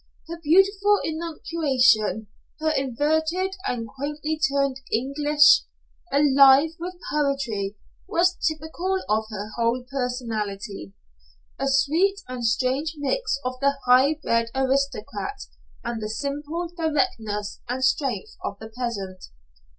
Her beautiful enunciation, her inverted and quaintly turned English, alive with poetry, was typical of her whole personality, a sweet and strange mixture of the high bred aristocrat and the simple directness and strength of the peasant.